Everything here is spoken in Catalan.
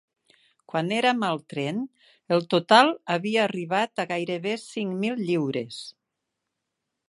Quan érem al tren, el total havia arribat a gairebé cinc mil lliures.